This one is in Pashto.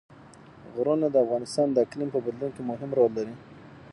غرونه د افغانستان د اقلیم په بدلون کې مهم رول لري.